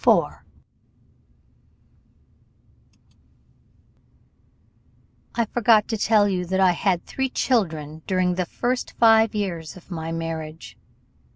"I forgot to tell you that I had three children during the first five years of my marriage.